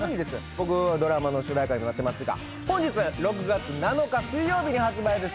僕のドラマの主題歌にもなってますが本日６月７日水曜日に発売です